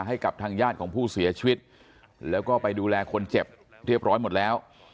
ให้กับทางญาติของผู้เสียชีวิตแล้วก็ไปดูแลคนเจ็บเรียบร้อยหมดแล้ว